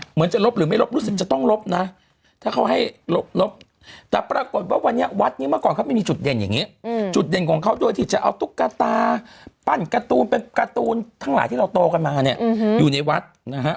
เหมือนจะลบหรือไม่ลบรู้สึกจะต้องลบนะถ้าเขาให้ลบแต่ปรากฏว่าวันนี้วัดนี้เมื่อก่อนเขาไม่มีจุดเด่นอย่างนี้จุดเด่นของเขาโดยที่จะเอาตุ๊กตาปั้นการ์ตูนเป็นการ์ตูนทั้งหลายที่เราโตกันมาเนี่ยอยู่ในวัดนะฮะ